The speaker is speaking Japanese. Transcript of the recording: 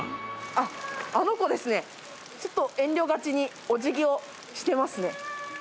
あ、あの子ですね、ちょっと遠慮がちにお辞儀をしていますね。